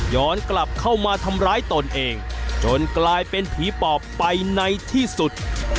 กลับเข้ามาทำร้ายตนเองจนกลายเป็นผีปอบไปในที่สุด